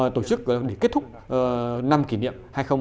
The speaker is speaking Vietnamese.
tổ chức để kết thúc năm kỷ niệm hai nghìn hai mươi ba